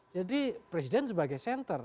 jadi presiden sebagai center